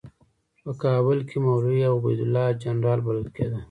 په کابل کې مولوي عبیدالله جنرال بلل کېده.